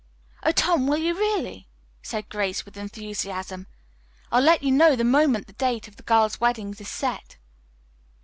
"Oh, Tom, will you really?" cried Grace with enthusiasm. "I'll let you know the moment the date of the girls' weddings is set."